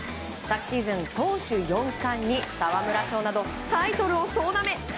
昨シーズン、投手４冠に沢村賞などタイトルを総なめ。